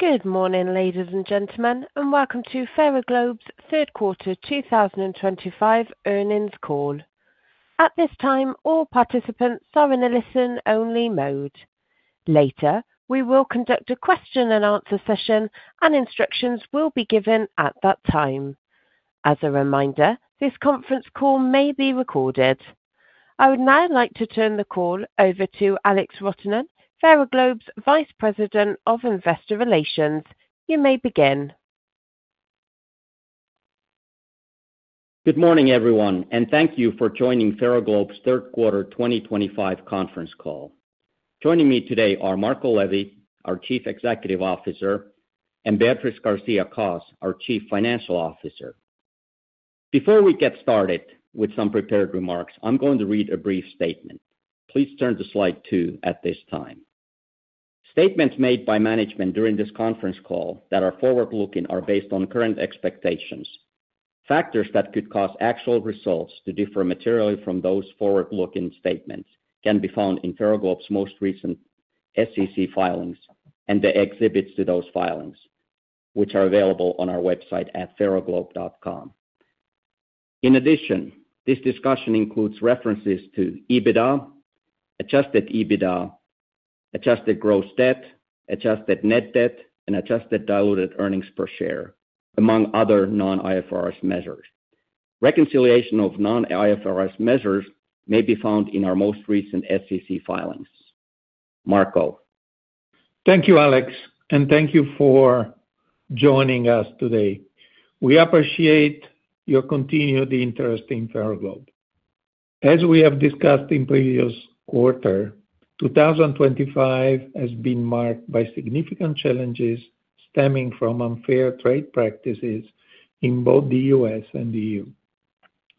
Good morning, ladies and gentlemen, and welcome to Ferroglobe's third quarter 2025 earnings call. At this time, all participants are in a listen-only mode. Later, we will conduct a question-and-answer session, and instructions will be given at that time. As a reminder, this conference call may be recorded. I would now like to turn the call over to Alex Rotonen, Ferroglobe's Vice President of Investor Relations. You may begin. Good morning, everyone, and thank you for joining Ferroglobe's third quarter 2025 conference call. Joining me today are Marco Levi, our Chief Executive Officer, and Beatriz García-Cos, our Chief Financial Officer. Before we get started with some prepared remarks, I'm going to read a brief statement. Please turn to slide 2 at this time. Statements made by management during this conference call that are forward-looking are based on current expectations. Factors that could cause actual results to differ materially from those forward-looking statements can be found in Ferroglobe's most recent SEC filings and the exhibits to those filings, which are available on our website at ferroglobe.com. In addition, this discussion includes references to EBITDA, Adjusted EBITDA, adjusted gross debt, adjusted net debt, and adjusted diluted earnings per share, among other non-IFRS measures. Reconciliation of non-IFRS measures may be found in our most recent SEC filings. Marco. Thank you, Alex, and thank you for joining us today. We appreciate your continued interest in Ferroglobe. As we have discussed in the previous quarter, 2025 has been marked by significant challenges stemming from unfair trade practices in both the U.S. and the EU.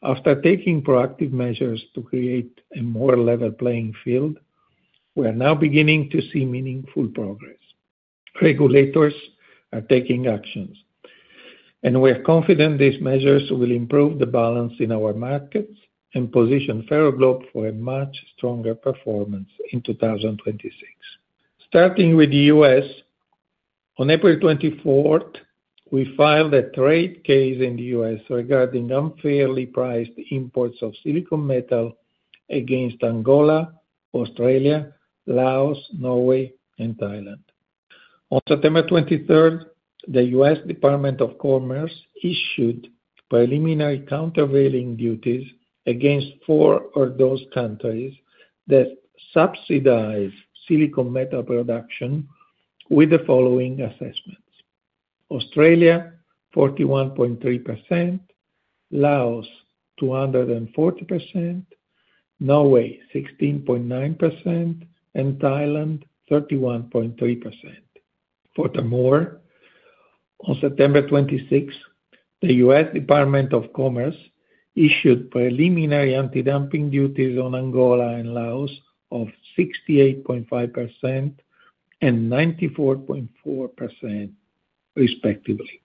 After taking proactive measures to create a more level playing field, we are now beginning to see meaningful progress. Regulators are taking actions, and we are confident these measures will improve the balance in our markets and position Ferroglobe for a much stronger performance in 2026. Starting with the U.S. On April 24th, we filed a trade case in the U.S. regarding unfairly priced imports of silicon metal against Angola, Australia, Laos, Norway, and Thailand. On September 23rd, the U.S. Department of Commerce issued preliminary countervailing duties against four of those countries that subsidize silicon metal production, with the following assessments. Australia, 41.3%. Laos, 240%. Norway, 16.9%, and Thailand, 31.3%. Furthermore, on September 26th, the U.S. Department of Commerce issued preliminary anti-dumping duties on Angola and Laos of 68.5% and 94.4%, respectively.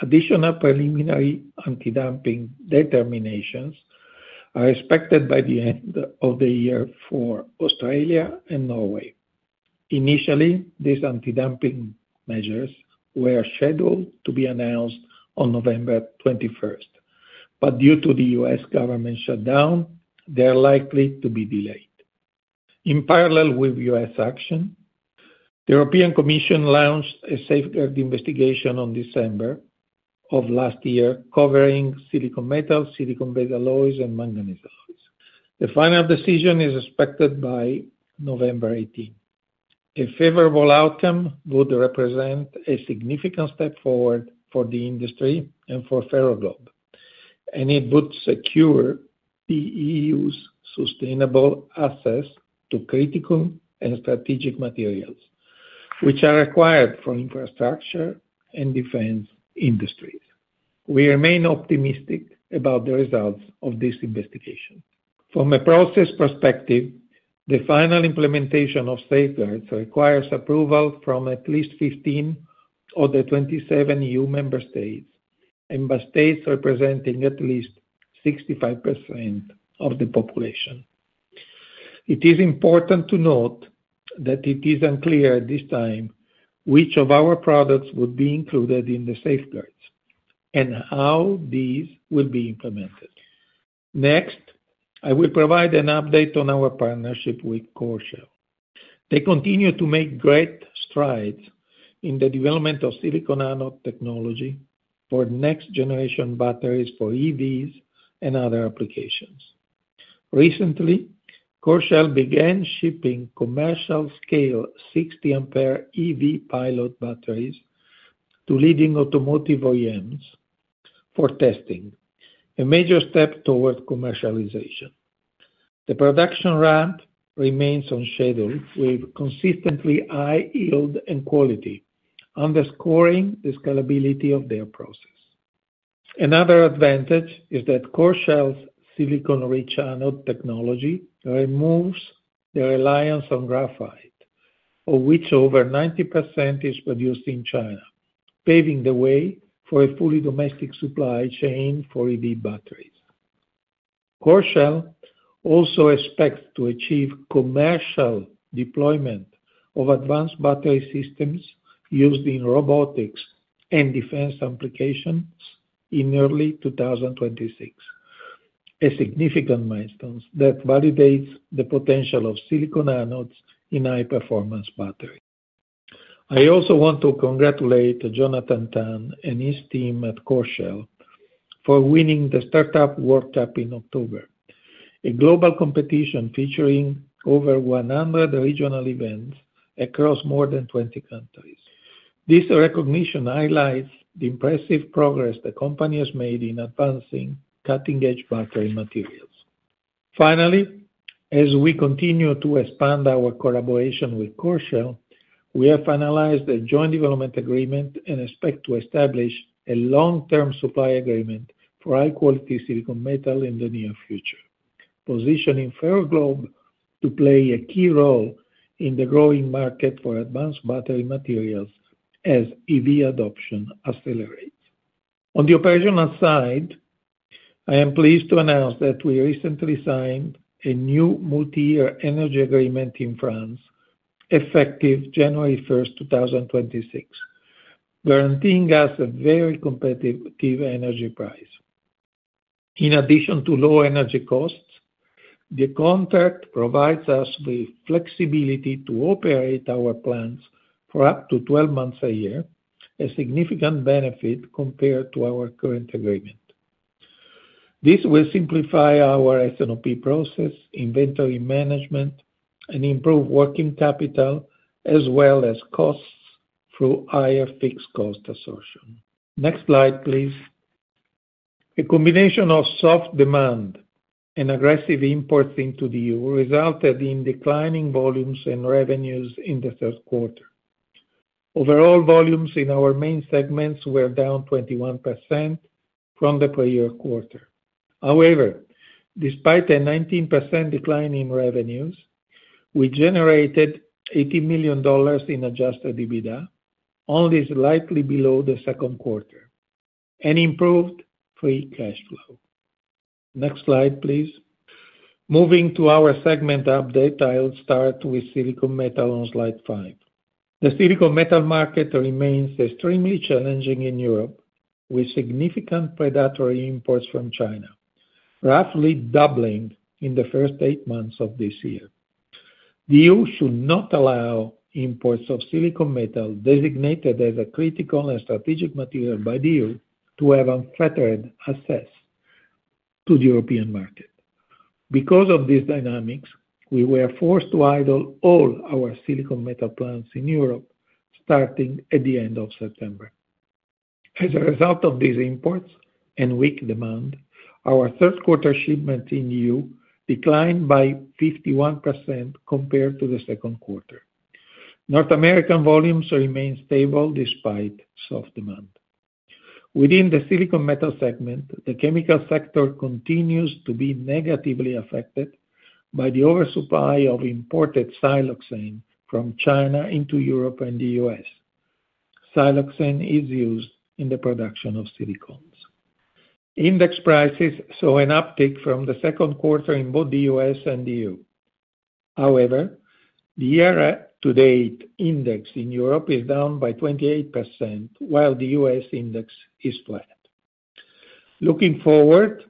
Additional preliminary anti-dumping determinations are expected by the end of the year for Australia and Norway. Initially, these anti-dumping measures were scheduled to be announced on November 21st, but due to the U.S. government shutdown, they are likely to be delayed. In parallel with U.S. action, the European Commission launched a safeguard investigation in December of last year covering silicon metal, silicon base alloys, and manganese alloys. The final decision is expected by November 18th. A favorable outcome would represent a significant step forward for the industry and for Ferroglobe, and it would secure the EU's sustainable access to critical and strategic materials, which are required for infrastructure and defense industries. We remain optimistic about the results of this investigation. From a process perspective, the final implementation of safeguards requires approval from at least 15 of the 27 EU member states and by states representing at least 65% of the population. It is important to note that it is unclear at this time which of our products would be included in the safeguards and how these will be implemented. Next, I will provide an update on our partnership with Corshell. They continue to make great strides in the development of silicon anode technology for next-generation batteries for EVs and other applications. Recently, Corshell began shipping commercial-scale 60A EV pilot batteries to leading automotive OEMs for testing, a major step toward commercialization. The production ramp remains on schedule with consistently high yield and quality, underscoring the scalability of their process. Another advantage is that Corshell's silicon-rich anode technology removes the reliance on graphite, of which over 90% is produced in China, paving the way for a fully domestic supply chain for EV batteries. Corshell also expects to achieve commercial deployment of advanced battery systems used in robotics and defense applications in early 2026. A significant milestone that validates the potential of silicon anodes in high-performance batteries. I also want to congratulate Jonathan Tan and his team at Corshell for winning the Startup World Cup in October, a global competition featuring over 100 regional events across more than 20 countries. This recognition highlights the impressive progress the company has made in advancing cutting-edge battery materials. Finally, as we continue to expand our collaboration with Corshell, we have finalized a joint development agreement and expect to establish a long-term supply agreement for high-quality silicon metal in the near future, positioning Ferroglobe to play a key role in the growing market for advanced battery materials as EV adoption accelerates. On the operational side, I am pleased to announce that we recently signed a new multi-year energy agreement in France, effective January 1, 2026, guaranteeing us a very competitive energy price. In addition to low energy costs, the contract provides us with flexibility to operate our plants for up to 12 months a year, a significant benefit compared to our current agreement. This will simplify our S&OP process, inventory management, and improve working capital as well as costs through higher fixed cost assertion. Next slide, please. A combination of soft demand and aggressive imports into the EU resulted in declining volumes and revenues in the third quarter. Overall volumes in our main segments were down 21% from the prior quarter. However, despite a 19% decline in revenues, we generated $80 million in Adjusted EBITDA, only slightly below the second quarter, and improved free cash flow. Next slide, please. Moving to our segment update, I'll start with silicon metal on slide 5. The silicon metal market remains extremely challenging in Europe, with significant predatory imports from China, roughly doubling in the first eight months of this year. The EU should not allow imports of silicon metal designated as a critical and strategic material by the EU to have unfettered access to the European market. Because of these dynamics, we were forced to idle all our silicon metal plants in Europe starting at the end of September. As a result of these imports and weak demand, our third-quarter shipments in the EU declined by 51% compared to the second quarter. North American volumes remained stable despite soft demand. Within the silicon metal segment, the chemical sector continues to be negatively affected by the oversupply of imported siloxane from China into Europe and the U.S. Siloxane is used in the production of silicons. Index prices saw an uptick from the second quarter in both the U.S. and the EU. However, the year-to-date index in Europe is down by 28%, while the U.S. index is flat. Looking forward,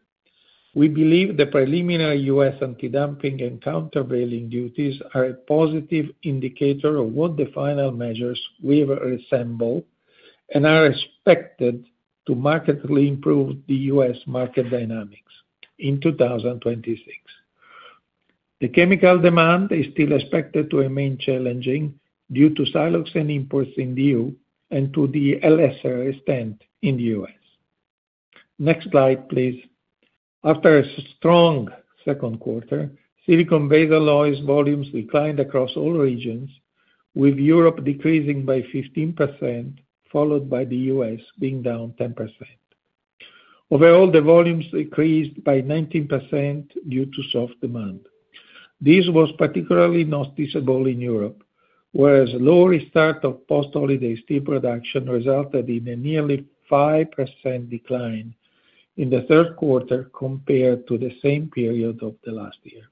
we believe the preliminary U.S. anti-dumping and countervailing duties are a positive indicator of what the final measures will resemble and are expected to markedly improve the U.S. market dynamics in 2026. The chemical demand is still expected to remain challenging due to siloxane imports in the EU and to the liquid silicone rubber stint in the U.S. Next slide, please. After a strong second quarter, silicon base alloys volumes declined across all regions, with Europe decreasing by 15%, followed by the U.S. being down 10%. Overall, the volumes decreased by 19% due to soft demand. This was particularly noticeable in Europe, whereas a low restart of post-holiday steel production resulted in a nearly 5% decline in the third quarter compared to the same period of the last year.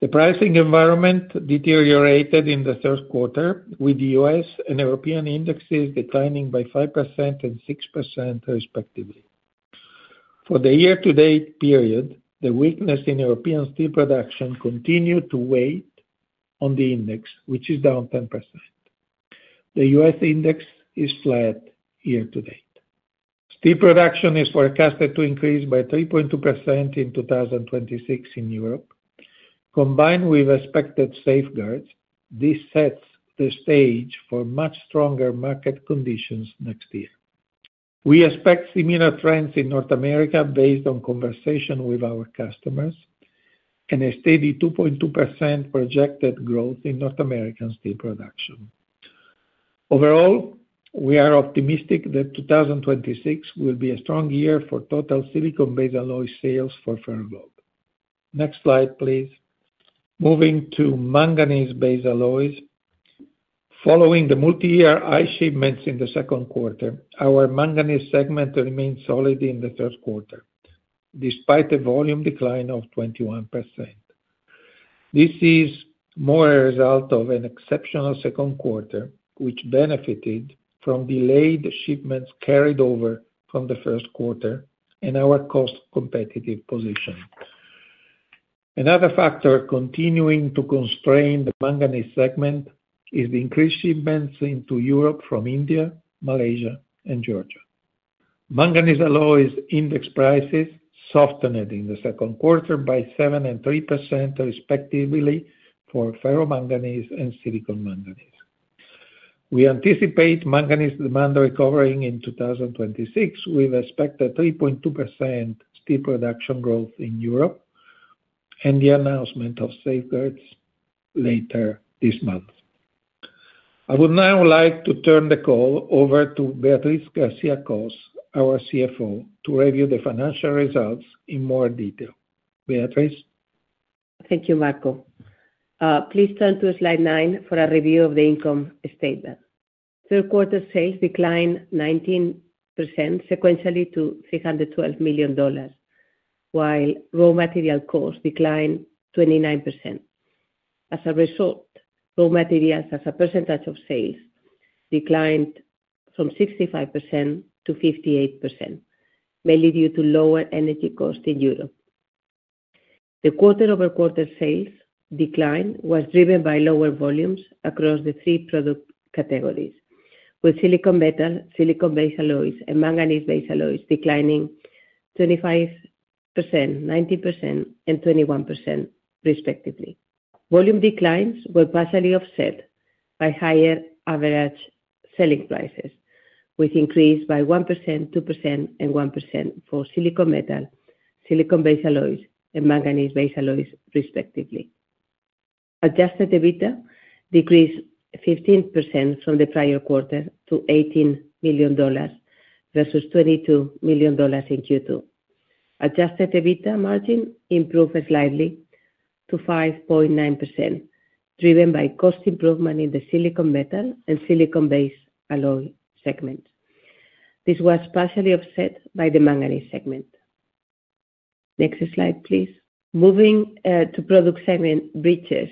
The pricing environment deteriorated in the third quarter, with the U.S. and European indexes declining by 5% and 6%, respectively. For the year-to-date period, the weakness in European steel production continued to weigh on the index, which is down 10%. The U.S. index is flat year-to-date. Steel production is forecasted to increase by 3.2% in 2026 in Europe. Combined with expected safeguards, this sets the stage for much stronger market conditions next year. We expect similar trends in North America based on conversation with our customers and a steady 2.2% projected growth in North American steel production. Overall, we are optimistic that 2026 will be a strong year for total silicon base alloy sales for Ferroglobe. Next slide, please. Moving to manganese base alloys. Following the multi-year high shipments in the second quarter, our manganese segment remained solid in the third quarter, despite a volume decline of 21%. This is more a result of an exceptional second quarter, which benefited from delayed shipments carried over from the first quarter and our cost-competitive position. Another factor continuing to constrain the manganese segment is the increased shipments into Europe from India, Malaysia, and Georgia. Manganese alloys index prices softened in the second quarter by 7% and 3%, respectively, for ferromanganese and silicon manganese. We anticipate manganese demand recovering in 2026, with expected 3.2% steel production growth in Europe. The announcement of safeguards is later this month. I would now like to turn the call over to Beatriz García-Cos, our CFO, to review the financial results in more detail. Beatriz. Thank you, Marco. Please turn to slide 9 for a review of the income statement. Third-quarter sales declined 19% sequentially to $312 million, while raw material costs declined 29%. As a result, raw materials as a percentage of sales declined from 65% to 58%, mainly due to lower energy costs in Europe. The quarter-over-quarter sales decline was driven by lower volumes across the three product categories, with silicon metal, silicon base alloys, and manganese base alloys declining 25%, 19%, and 21%, respectively. Volume declines were partially offset by higher average selling prices, with increases by 1%, 2%, and 1% for silicon metal, silicon base alloys, and manganese base alloys, respectively. Adjusted EBITDA decreased 15% from the prior quarter to $18 million versus $22 million in Q2. Adjusted EBITDA margin improved slightly to 5.9%, driven by cost improvement in the silicon metal and silicon base alloy segments. This was partially offset by the manganese segment. Next slide, please. Moving to product segment breaches,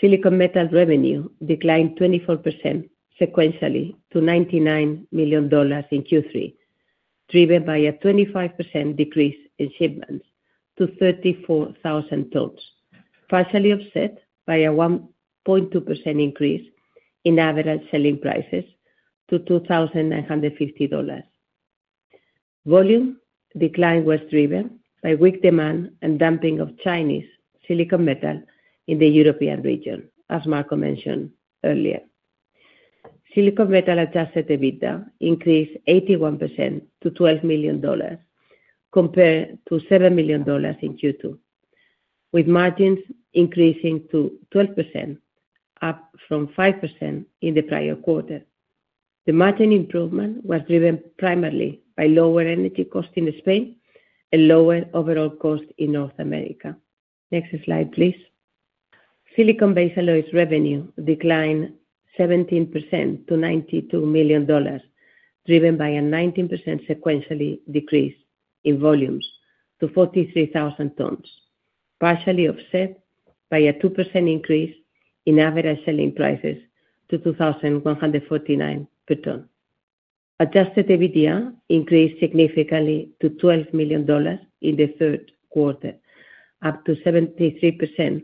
silicon metal revenue declined 24% sequentially to $99 million in Q3, driven by a 25% decrease in shipments to 34,000 tons, partially offset by a 1.2% increase in average selling prices to $2,950. Volume decline was driven by weak demand and dumping of Chinese silicon metal in the European region, as Marco mentioned earlier. Silicon metal Adjusted EBITDA increased 81% to $12 million. Compared to $7 million in Q2, with margins increasing to 12%. Up from 5% in the prior quarter. The margin improvement was driven primarily by lower energy costs in Spain and lower overall costs in North America. Next slide, please. Silicon base alloys revenue declined 17% to $92 million, driven by a 19% sequentially decrease in volumes to 43,000 tons, partially offset by a 2% increase in average selling prices to $2,149 per ton. Adjusted EBITDA increased significantly to $12 million in the third quarter, up 73%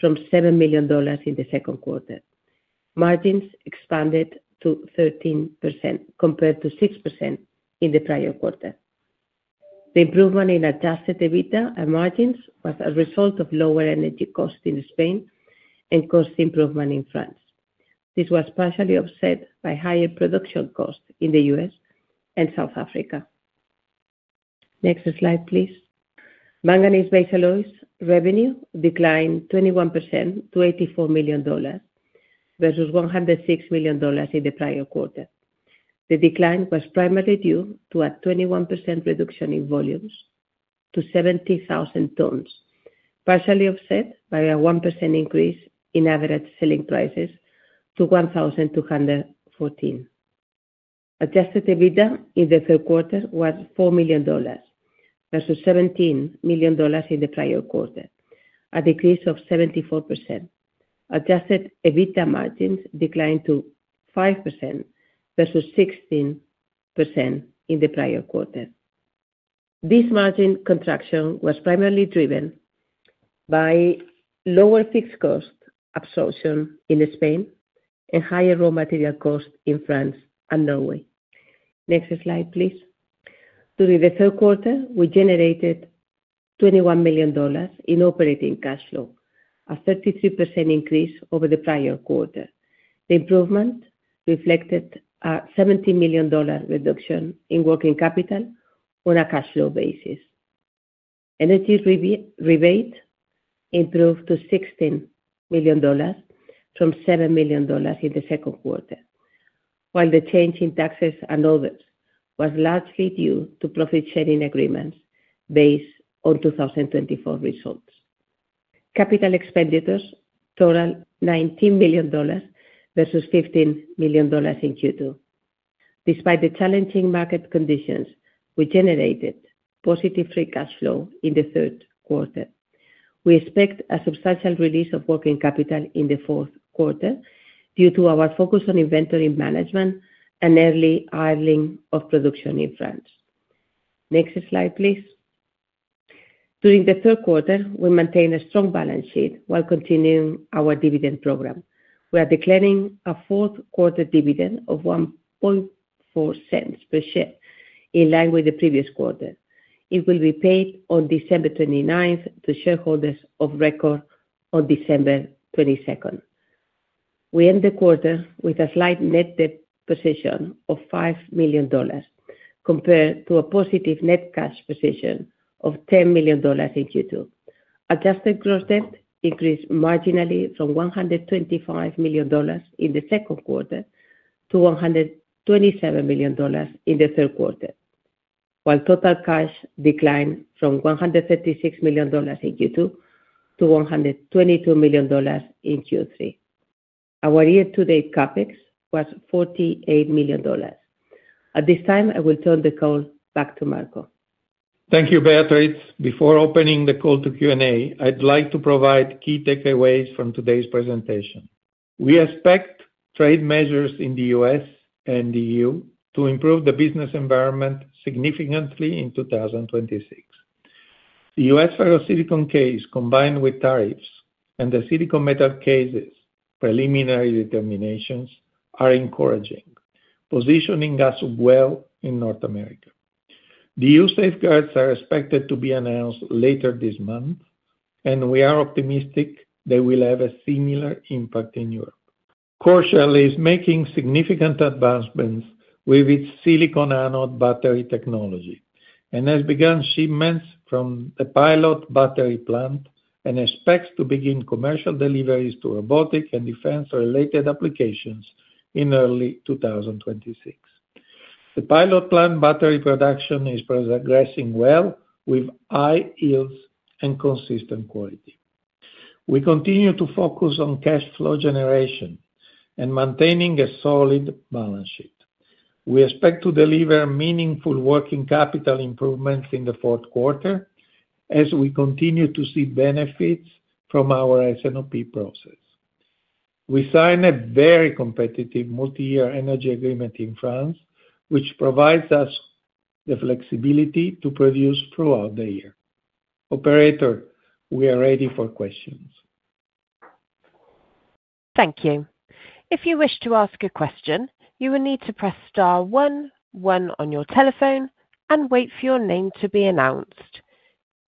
from $7 million in the second quarter. Margins expanded to 13% compared to 6% in the prior quarter. The improvement in Adjusted EBITDA and margins was a result of lower energy costs in Spain and cost improvement in France. This was partially offset by higher production costs in the US and South Africa. Next slide, please. Manganese base alloys revenue declined 21% to $84 million versus $106 million in the prior quarter. The decline was primarily due to a 21% reduction in volumes to 70,000 tons, partially offset by a 1% increase in average selling prices to $1,214. Adjusted EBITDA in the third quarter was $4 million versus $17 million in the prior quarter, a decrease of 74%. Adjusted EBITDA margins declined to 5% versus 16% in the prior quarter. This margin contraction was primarily driven by lower fixed cost absorption in Spain and higher raw material costs in France and Norway. Next slide, please. During the third quarter, we generated $21 million in operating cash flow, a 33% increase over the prior quarter. The improvement reflected a $17 million reduction in working capital on a cash flow basis. Energy rebate improved to $16 million. From $7 million in the second quarter, while the change in taxes and others was largely due to profit-sharing agreements based on 2024 results. Capital expenditures totaled $19 million versus $15 million in Q2. Despite the challenging market conditions, we generated positive free cash flow in the third quarter. We expect a substantial release of working capital in the fourth quarter due to our focus on inventory management and early idling of production in France. Next slide, please. During the third quarter, we maintained a strong balance sheet while continuing our dividend program. We are declaring a fourth-quarter dividend of $0.014 per share, in line with the previous quarter. It will be paid on December 29 to shareholders of record on December 22. We end the quarter with a slight net debt position of $5 million, compared to a positive net cash position of $10 million in Q2. Adjusted gross debt increased marginally from $125 million in the second quarter to $127 million in the third quarter, while total cash declined from $136 million in Q2 to $122 million in Q3. Our year-to-date CAPEX was $48 million. At this time, I will turn the call back to Marco. Thank you, Beatriz. Before opening the call to Q&A, I'd like to provide key takeaways from today's presentation. We expect trade measures in the U.S. and the EU to improve the business environment significantly in 2026. The U.S. Ferroglobe Marco Levi silicon case, combined with tariffs and the silicon metal cases' preliminary determinations, are encouraging, positioning us well in North America. The EU safeguards are expected to be announced later this month, and we are optimistic they will have a similar impact in Europe. Corshell is making significant advancements with its silicon anode battery technology and has begun shipments from the pilot battery plant and expects to begin commercial deliveries to robotic and defense-related applications in early 2026. The pilot plant battery production is progressing well, with high yields and consistent quality. We continue to focus on cash flow generation and maintaining a solid balance sheet. We expect to deliver meaningful working capital improvements in the fourth quarter as we continue to see benefits from our S&OP process. We signed a very competitive multi-year energy agreement in France, which provides us the flexibility to produce throughout the year. Operator, we are ready for questions. Thank you. If you wish to ask a question, you will need to press star 11 on your telephone and wait for your name to be announced.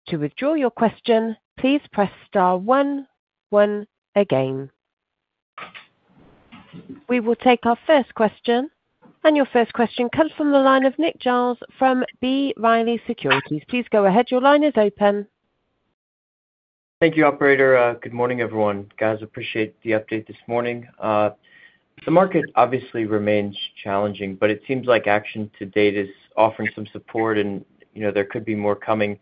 To withdraw your question, please press star 11 again. We will take our first question, and your first question comes from the line of Nick Giles from B. Riley Securities. Please go ahead. Your line is open. Thank you, Operator. Good morning, everyone. Guys, I appreciate the update this morning. The market obviously remains challenging, but it seems like action to date is offering some support, and there could be more coming.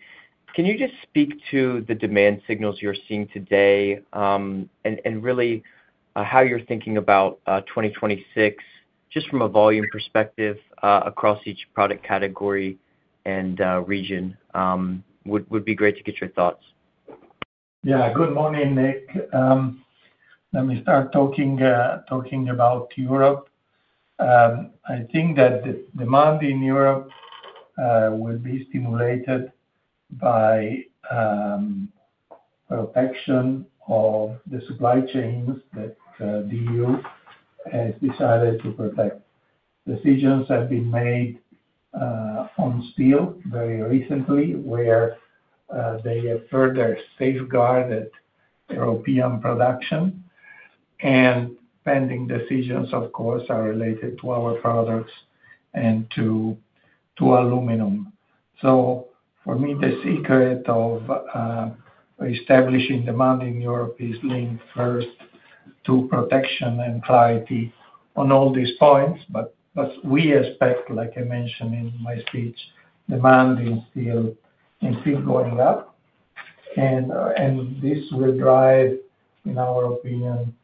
Can you just speak to the demand signals you're seeing today? And really how you're thinking about 2026, just from a volume perspective across each product category and region? Would be great to get your thoughts. Yeah. Good morning, Nick. Let me start talking about Europe. I think that the demand in Europe will be stimulated by protection of the supply chains that the EU has decided to protect. Decisions have been made on steel very recently, where they have further safeguarded European production. Pending decisions, of course, are related to our products and to aluminum. For me, the secret of establishing demand in Europe is linked first to protection and clarity on all these points. We expect, like I mentioned in my speech, demand in steel is still going up. This will drive, in our opinion,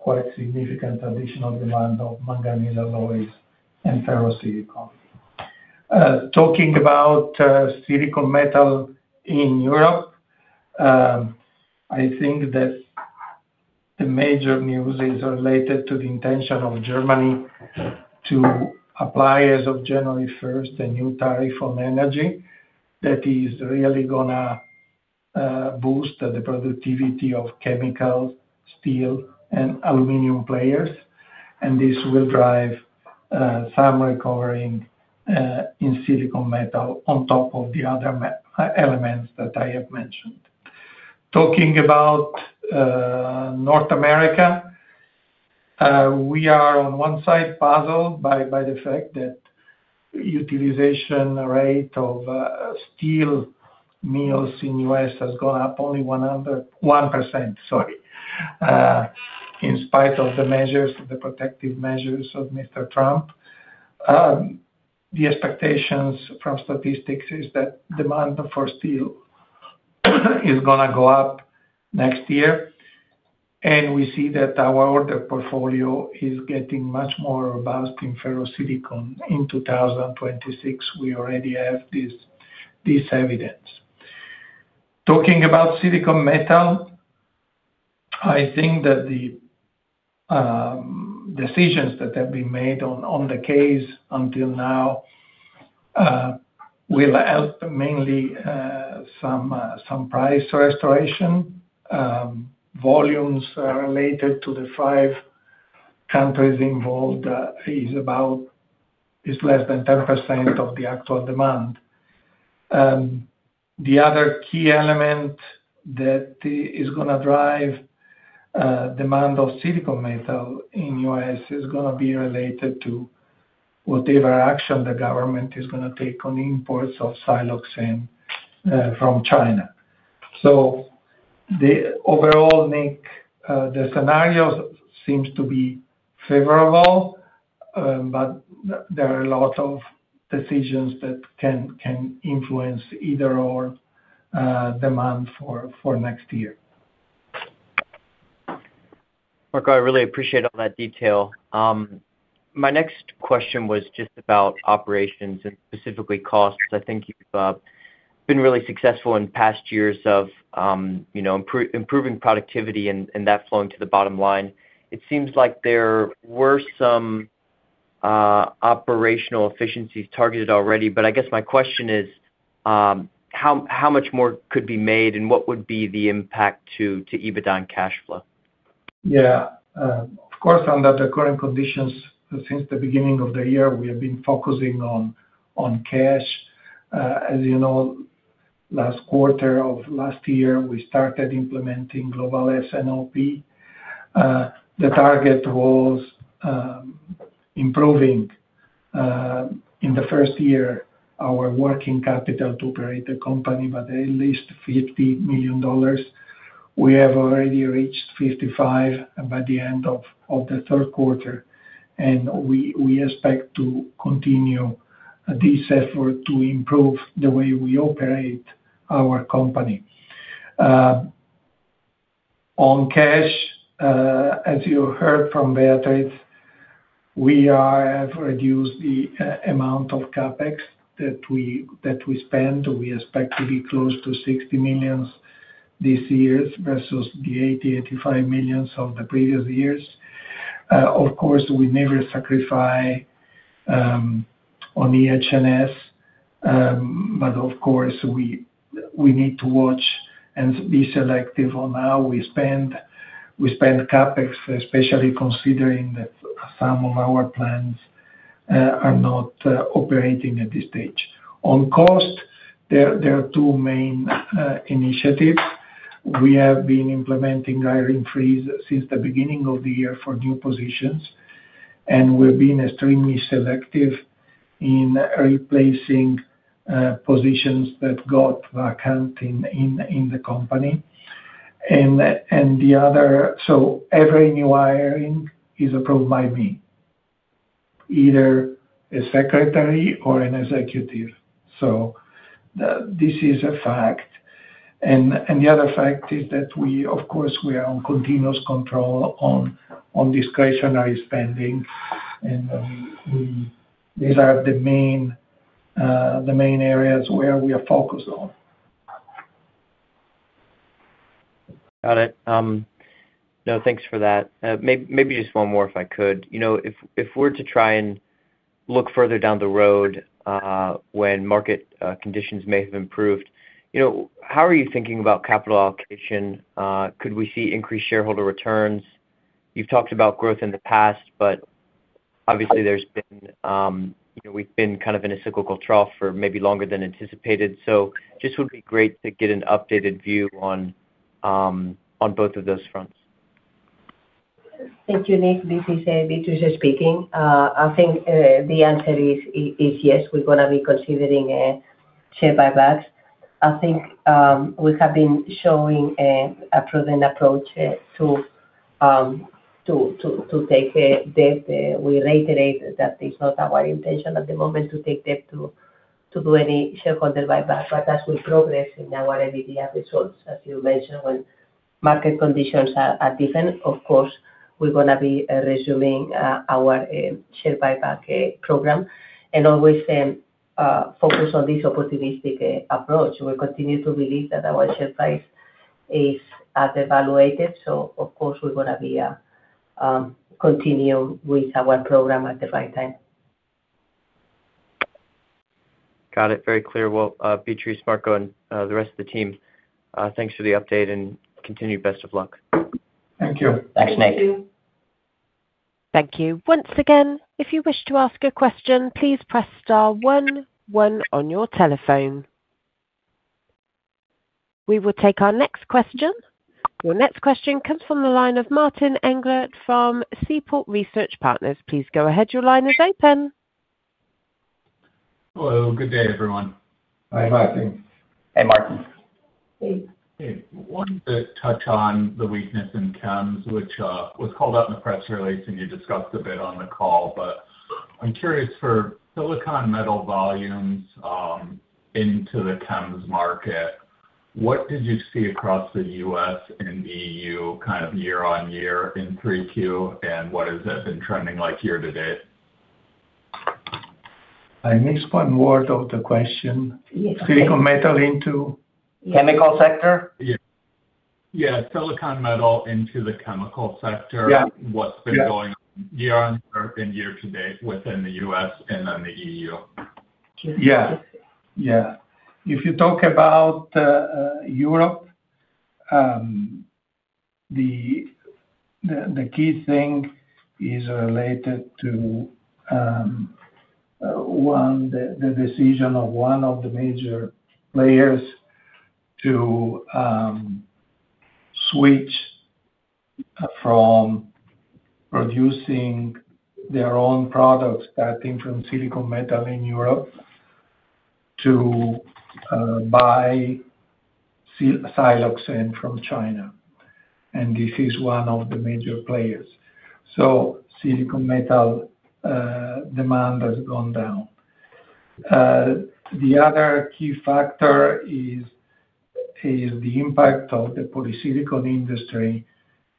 quite significant additional demand of manganese alloys and Ferroglobe. Talking about silicon metal in Europe, I think that the major news is related to the intention of Germany to apply, as of January 1, a new tariff on energy that is really going to boost the productivity of chemicals, steel, and aluminum players. This will drive some recovery in silicon metal on top of the other elements that I have mentioned. Talking about North America, we are, on one side, puzzled by the fact that the utilization rate of. Steel mills in the U.S. has gone up only 1%. Sorry. In spite of the protective measures of Mr. Trump. The expectations from statistics is that demand for steel is going to go up next year. We see that our order portfolio is getting much more robust in Ferroglobe. In 2026, we already have this evidence. Talking about silicon metal, I think that the decisions that have been made on the case until now will help mainly some price restoration. Volumes related to the five countries involved is less than 10% of the actual demand. The other key element that is going to drive demand of silicon metal in the U.S. is going to be related to whatever action the government is going to take on imports of siloxane from China. Overall, Nick, the scenario seems to be favorable. There are a lot of decisions that can influence either or demand for next year. Marco, I really appreciate all that detail. My next question was just about operations and specifically costs. I think you've been really successful in past years of improving productivity and that flowing to the bottom line. It seems like there were some operational efficiencies targeted already, but I guess my question is how much more could be made and what would be the impact to EBITDA and cash flow? Yeah. Of course, under the current conditions, since the beginning of the year, we have been focusing on cash. As you know, last quarter of last year, we started implementing global S&OP. The target was improving, in the first year, our working capital to operate the company by at least $50 million. We have already reached $55 by the end of the third quarter, and we expect to continue. This effort to improve the way we operate our company. On cash. As you heard from Beatriz. We have reduced the amount of CapEx that we spend. We expect to be close to $60 million this year versus the $80-$85 million of the previous years. Of course, we never sacrifice on EH&S. Of course, we need to watch and be selective on how we spend CapEx, especially considering that some of our plants are not operating at this stage. On cost. There are two main initiatives. We have been implementing hiring freeze since the beginning of the year for new positions, and we've been extremely selective in replacing positions that got vacant in the company. The other—so every new hiring is approved by me, either a secretary or an executive. This is a fact. The other fact is that we, of course, we are on continuous control on discretionary spending, and these are the main areas where we are focused on. Got it. No, thanks for that. Maybe just one more, if I could. If we're to try and look further down the road, when market conditions may have improved, how are you thinking about capital allocation? Could we see increased shareholder returns? You've talked about growth in the past, but obviously, there's been—we've been kind of in a cyclical trough for maybe longer than anticipated. Just would be great to get an updated view on both of those fronts. Thank you, Nick. This is Beatriz speaking. I think the answer is yes. We're going to be considering a share buyback. I think we have been showing a prudent approach to take a debt. We reiterate that it's not our intention at the moment to take debt to do any shareholder buyback. As we progress in our MEDIA results, as you mentioned, when market conditions are different, of course, we're going to be resuming our share buyback program and always focus on this opportunistic approach. We continue to believe that our share price is undervaluated. Of course, we're going to continue with our program at the right time. Got it. Very clear. Beatriz, Marco, and the rest of the team, thanks for the update and continued best of luck. Thank you. Thanks, Nick. Thank you. Thank you. Once again, if you wish to ask a question, please press star one, one on your telephone. We will take our next question. Your next question comes from the line of Martin Englert from Seaport Research Partners. Please go ahead. Your line is open. Hello. Good day, everyone. Hey, Martin. Hey. I wanted to touch on the weakness in CHEMS, which was called out in the press release, and you discussed a bit on the call. I'm curious, for silicon metal volumes. Into the CHEMS market, what did you see across the U.S. and EU kind of year-on-year in 3Q, and what has that been trending like year to date? I missed one word of the question. Silicon metal into? Chemical sector? Yeah. Silicon metal into the chemical sector. What's been going on year-on-year and year to date within the U.S. and in the EU? Yeah. If you talk about Europe. The key thing is related to the decision of one of the major players to switch from producing their own products starting from silicon metal in Europe to buy siloxane from China. This is one of the major players. Silicon metal demand has gone down. The other key factor is the impact of the polysilicon industry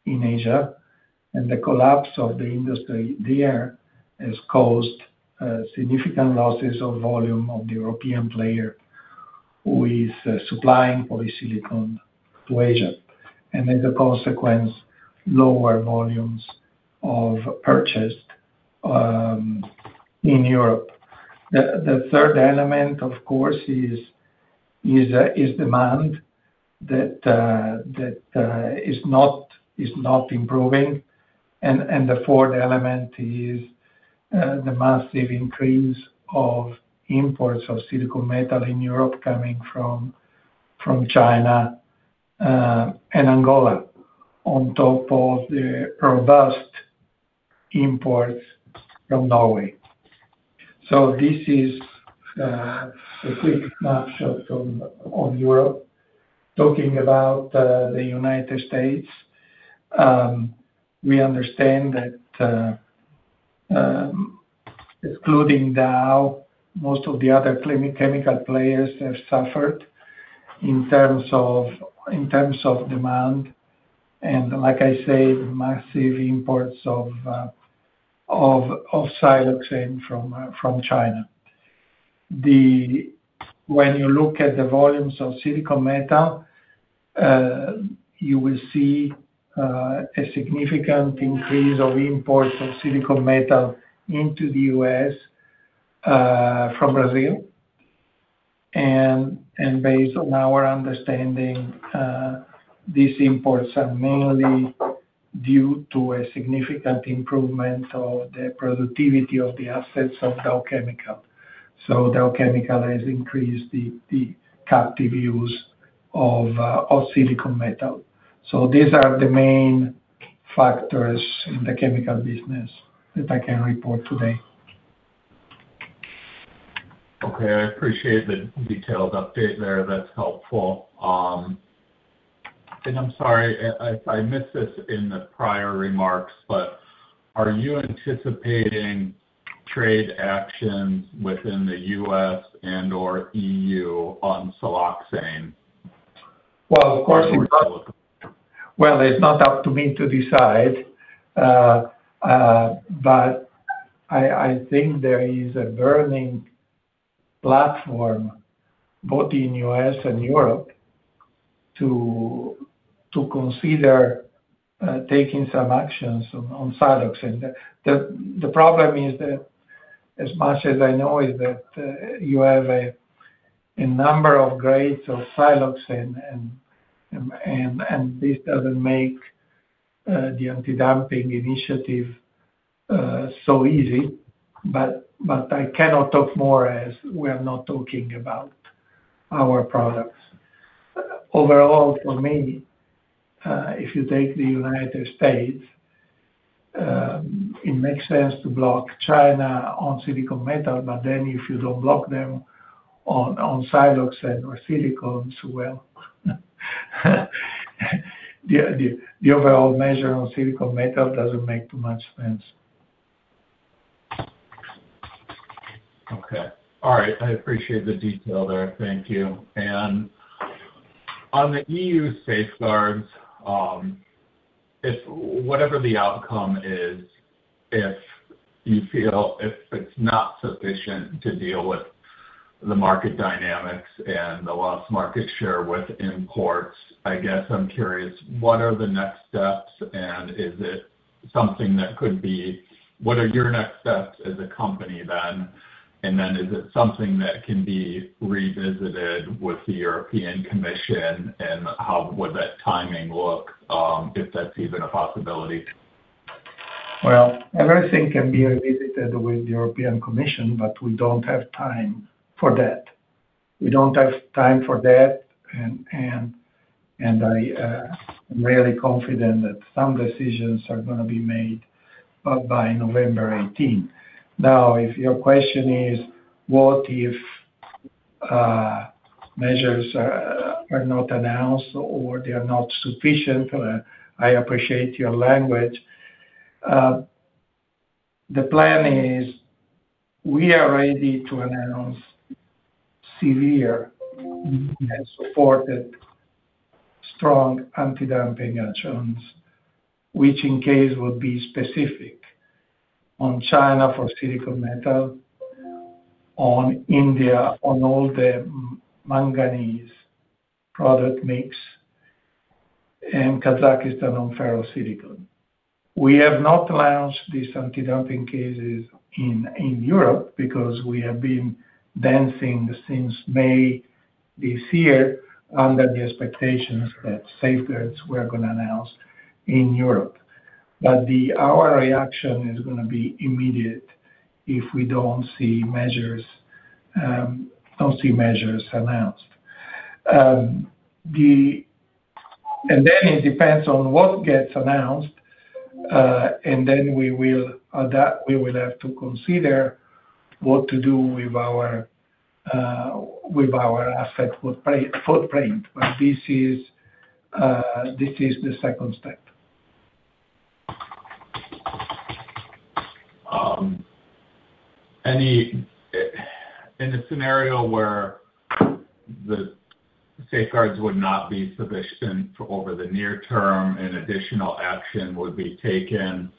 in Asia, and the collapse of the industry there has caused significant losses of volume of the European player who is supplying polysilicon to Asia. As a consequence, lower volumes of purchase in Europe. The third element, of course, is demand that is not improving. The fourth element is the massive increase of imports of silicon metal in Europe coming from China and Angola, on top of the robust imports from Norway. This is a quick snapshot of Europe. Talking about the United States, we understand that, excluding Dow, most of the other chemical players have suffered in terms of demand. Like I said, massive imports of siloxane from China. When you look at the volumes of silicon metal. You will see a significant increase of imports of silicon metal into the U.S. from Brazil. Based on our understanding, these imports are mainly due to a significant improvement of the productivity of the assets of Dow Chemical. Dow Chemical has increased the captive use of silicon metal. These are the main factors in the chemical business that I can report today. Okay. I appreciate the detailed update there. That's helpful. I'm sorry if I missed this in the prior remarks, but are you anticipating trade actions within the U.S. and/or EU on siloxane? Of course, it's not up to me to decide. I think there is a burning platform both in the U.S. and Europe to consider taking some actions on siloxane. The problem is that, as much as I know, you have a number of grades of siloxane. This does not make the anti-dumping initiative so easy. I cannot talk more as we are not talking about our products. Overall, for me, if you take the United States, it makes sense to block China on silicon metal. If you do not block them on siloxane or silicon, the overall measure on silicon metal does not make too much sense. Okay. All right. I appreciate the detail there. Thank you. On the EU safeguards, whatever the outcome is, if you feel it is not sufficient to deal with the market dynamics and the lost market share with imports, I guess I am curious, what are the next steps? Is it something that could be—what are your next steps as a company then? Is it something that can be revisited with the European Commission? How would that timing look if that is even a possibility? Everything can be revisited with the European Commission, but we do not have time for that. We do not have time for that. I am really confident that some decisions are going to be made by November 18. Now, if your question is, "What if measures are not announced or they are not sufficient?" I appreciate your language. The plan is we are ready to announce severe and supported strong anti-dumping actions, which in this case would be specific on China for silicon metal, on India on all the manganese product mix, and Kazakhstan on ferrous silicon. We have not launched these anti-dumping cases in Europe because we have been dancing since May this year under the expectations that safeguards were going to be announced in Europe. Our reaction is going to be immediate if we do not see measures announced. It depends on what gets announced, and then we will have to consider what to do with our asset footprint. This is the second step. In a scenario where the safeguards would not be sufficient over the near term, an additional action would be taken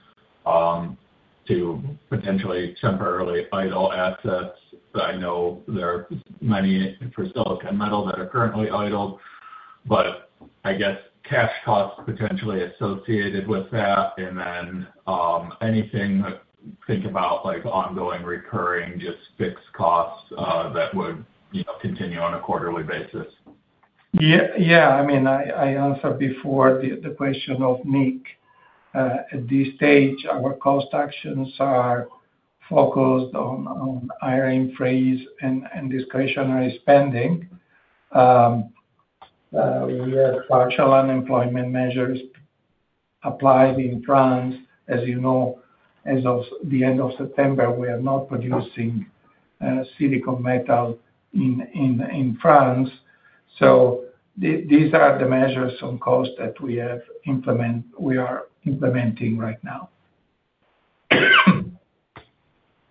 to potentially temporarily idle assets. I know there are many for silicon metal that are currently idle, but I guess cash costs potentially associated with that. Anything—think about ongoing recurring just fixed costs that would continue on a quarterly basis. Yeah. I mean, I answered before the question of Nick. At this stage, our cost actions are focused on hiring freeze and discretionary spending. We have partial unemployment measures applied in France. As you know, as of the end of September, we are not producing silicon metal in France. These are the measures on cost that we are implementing right now.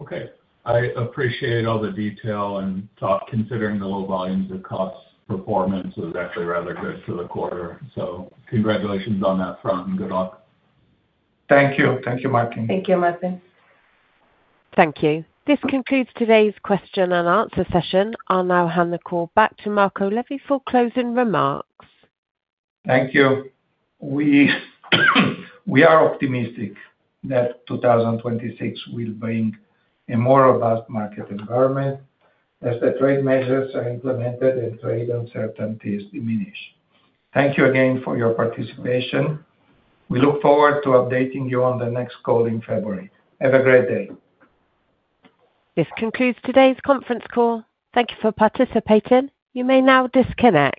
Okay. I appreciate all the detail and thought considering the low volumes of cost performance. It was actually rather good for the quarter. Congratulations on that front. Good luck. Thank you. Thank you, Martin. Thank you, Martin. Thank you. This concludes today's question and answer session. I'll now hand the call back to Marco Levi for closing remarks. Thank you. We are optimistic that 2026 will bring a more robust market environment as the trade measures are implemented and trade uncertainties diminish. Thank you again for your participation. We look forward to updating you on the next call in February. Have a great day. This concludes today's conference call. Thank you for participating. You may now disconnect.